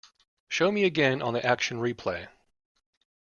Show me again on the action replay